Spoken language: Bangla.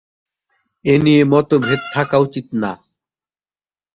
এ নিয়ে মতভেদ থাকা উচিত না!